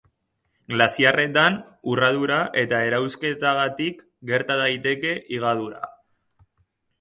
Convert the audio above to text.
Glaziarretan, urradura eta erauzketagatik gerta daiteke higadura.